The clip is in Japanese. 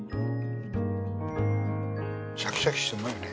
シャキシャキしてうまいね。